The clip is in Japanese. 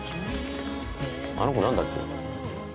あの子なんだっけ？